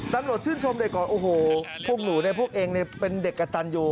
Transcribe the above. ตำรวจชื่นชมเด็กก่อนโอ้โหพวกหนูเนี่ยพวกเองเป็นเด็กกระตันอยู่